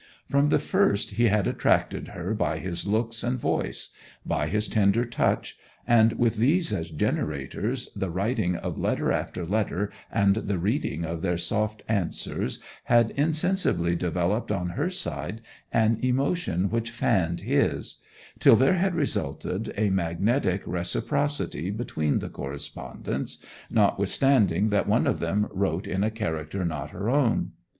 From the first he had attracted her by his looks and voice; by his tender touch; and, with these as generators, the writing of letter after letter and the reading of their soft answers had insensibly developed on her side an emotion which fanned his; till there had resulted a magnetic reciprocity between the correspondents, notwithstanding that one of them wrote in a character not her own.